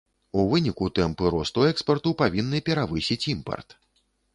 У выніку тэмпы росту экспарту павінны перавысіць імпарт.